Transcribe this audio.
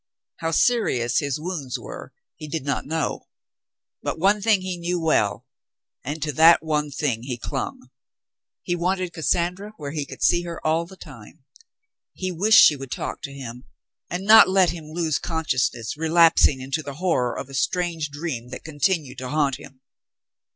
How serious his wounds were, he did not know. But one thing he knew well, and to that one thought he clung. He wanted Cassandra where he could see her all the time. He wished she would talk to him, and not let him lose con sciousness, relapsing into the horror of a strange dream that continued to haunt him.